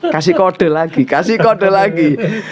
kasih kode lagi kasih kode lagi